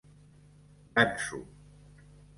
Gansu.